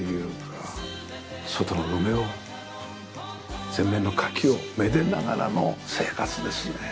外の梅を前面の垣をめでながらの生活ですね。